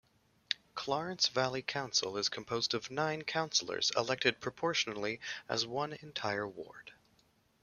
Clarence Valley Council is composed of nine Councillors elected proportionally as one entire ward.